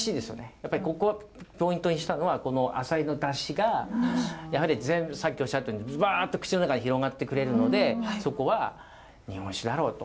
やっぱりここポイントにしたのはこのあさりの出汁がやはりさっきおっしゃったようにズバッと口の中で広がってくれるのでそこは日本酒だろうと。